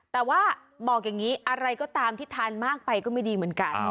แต่ว่าบอกอย่างนี้อะไรก็ตามที่ทานมากไปก็ไม่ดีเหมือนกัน